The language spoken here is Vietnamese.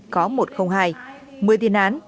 có một trăm linh hai một mươi thiên án